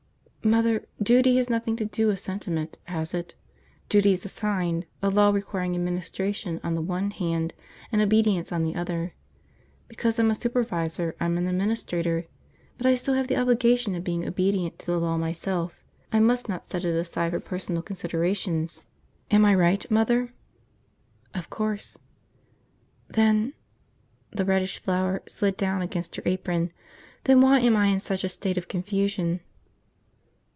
"Mother – duty has nothing to do with sentiment, has it? Duty is assigned, a law requiring administration on the one hand and obedience on the other. Because I'm a supervisor, I'm an administrator. But I still have the obligation of being obedient to the law myself. I must not set it aside for personal considerations. Am I right, Mother?" "Of course." "Then ..." The radish flower slid down against her apron. "Then why am I in such a state of confusion?"